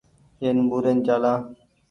اين ٻورين چآلآن ۔